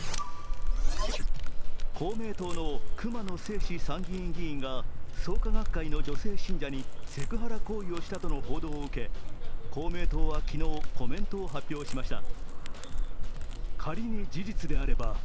公明党の熊野正士参議院議員が創価学会の女性信者にセクハラ行為をしたとの報道を受け、公明党は昨日コメントを発表しました。